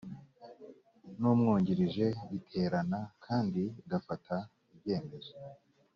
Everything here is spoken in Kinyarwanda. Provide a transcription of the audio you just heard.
n umwungirije iterana kandi igafata ibyemezo